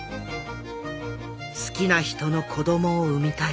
「好きな人の子供を産みたい」。